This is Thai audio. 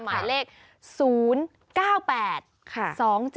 หมายเลข๐๙๘๒๗๘๗ค่ะ